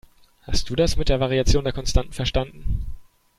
Hast du das mit der Variation der Konstanten verstanden?